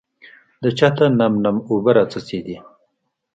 د چته نم نم اوبه راڅڅېدې .